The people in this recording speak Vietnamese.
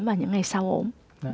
và những ngày sau ốm